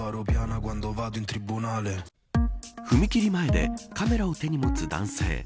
踏み切り前でカメラを手に持つ男性。